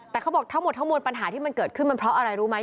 แต่เขาบอกทั้งหมดทั้งมวลปัญหาที่มันเกิดขึ้นมันเพราะอะไรรู้ไหม